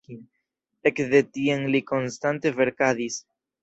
Ekde tiam li konstante verkadis.